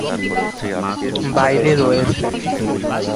বাইরে রয়েছে।